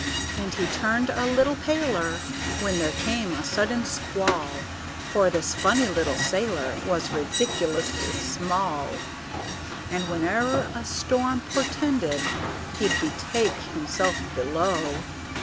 And he turned a little paler When there came a sudden squall; For this funny little sailor Was ridiculously small. And whene'er a storm portended He'd betake himself below.